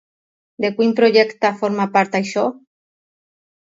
De quin projecte forma part això?